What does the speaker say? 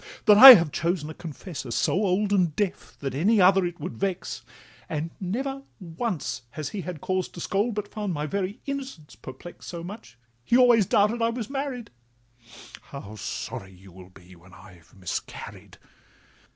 That I have chosen a confessor so old And deaf, that any other it would vex, And never once he has had cause to scold, But found my very innocence perplex So much, he always doubted I was married— How sorry you will be when I've miscarried!